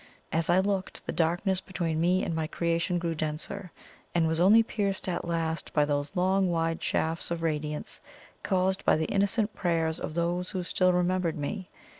As I looked, the darkness between me and my creation grew denser, and was only pierced at last by those long wide shafts of radiance caused by the innocent prayers of those who still remembered me.